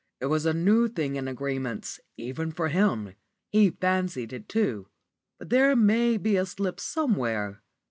It was a new thing in agreements, even for him. He fancied it too. But there may be a slip somewhere.